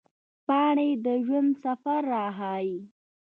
پاڼې د ژوند سفر راښيي